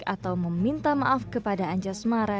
atau meminta maaf kepada anja smara